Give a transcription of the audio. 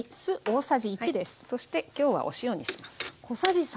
そして今日はお塩にします。